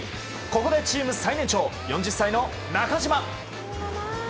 ここでチーム最年長４０歳の中島。